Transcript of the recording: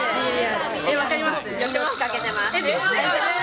命かけてます。